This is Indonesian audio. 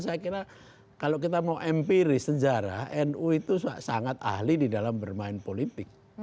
saya kira kalau kita mau empiris sejarah nu itu sangat ahli di dalam bermain politik